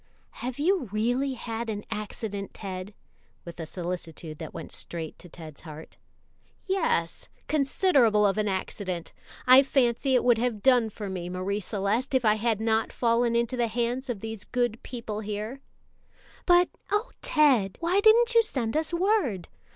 "Have you really had an accident, Ted?" with a solicitude that went straight to Ted's heart. "Yes, considerable of an accident. I fancy it would have done for me, Marie Celeste, if I had not fallen into the hands of these good people here." "But oh, Ted," why didn't you send us word?